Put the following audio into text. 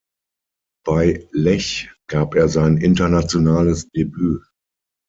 Bei Lech gab er sein internationales Debüt.